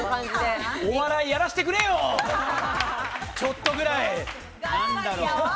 お笑いやらせてくれよ、ちょっとぐらい。